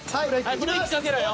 ブレーキかけろよ！